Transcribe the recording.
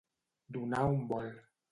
Donar un vol.